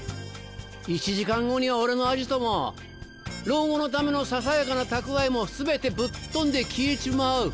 １時間後には俺のアジトも老後のためのささやかな蓄えも全てぶっ飛んで消えちまう。